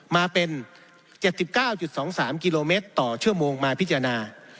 มาเป็น๗๙๒๓กิโลเมตรต่อชั่วโมงมาพิจารณา